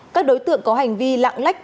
các đối tượng có hành vi lạng lách